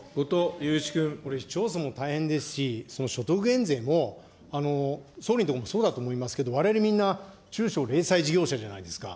これ、市町村も大変ですし、所得減税も、総理のところもそうだと思いますけれども、われわれみんな中小・零細事業者じゃないですか。